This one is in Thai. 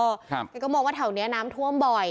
ครับกันก็มองว่าแถวเนี้ยน้ำท่วมบ่อย